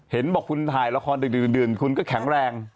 เห็นบอกคุณถ่ายละครดึ่นคุณก็แข็งแรง